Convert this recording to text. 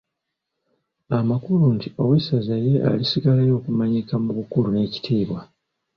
Amakulu nti owessaza ye alisigalayo okumanyika mu bukulu n'ekitiibwa.